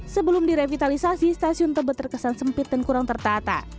sebelum direvitalisasi stasiun tebet terkesan sempit dan kurang tertata